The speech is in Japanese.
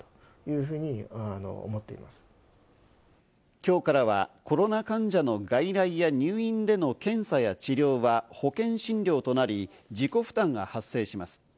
今日からは、コロナ患者の外来や入院での検査や治療は保険診療となり、自己負担が発生します。